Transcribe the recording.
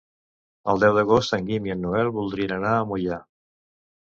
El deu d'agost en Guim i en Nel voldrien anar a Moià.